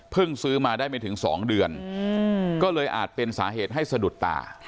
ซื้อมาได้ไม่ถึง๒เดือนก็เลยอาจเป็นสาเหตุให้สะดุดตา